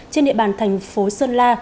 trên địa bàn thành phố sơn la